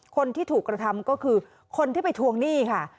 คนที่ถูกกระทำก็คือคนที่ไปทวงหนี้ค่ะ